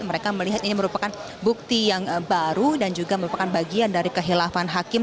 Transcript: mereka melihat ini merupakan bukti yang baru dan juga merupakan bagian dari kehilafan hakim